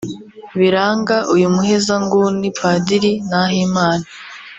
biranga uyu muhezanguni Padiri Nahimana